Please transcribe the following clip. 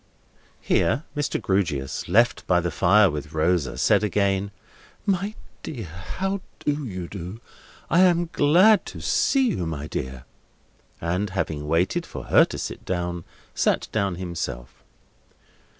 Here Mr. Grewgious, left by the fire with Rosa, said again: "My dear, how do you do? I am glad to see you, my dear." And having waited for her to sit down, sat down himself.